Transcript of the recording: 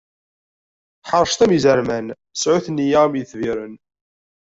Ḥeṛcet am izerman, sɛut nneyya am yetbiren.